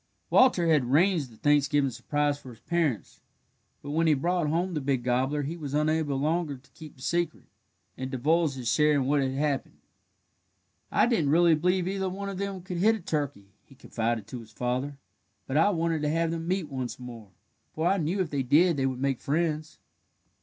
Walter had arranged the Thanksgiving surprise for his parents, but when he brought home the big gobbler he was unable longer to keep the secret, and divulged his share in what had happened. "I didn't really believe either one of them could hit a turkey," he confided to his father, "but I wanted to have them meet once more, for I knew if they did they would make friends."